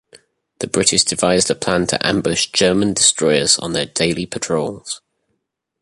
The British devised a plan to ambush German destroyers on their daily patrols.